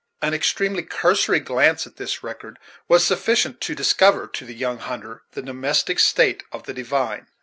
An extremely cursory glance at this record was sufficient to discover to the young hunter the domestic state of the divine.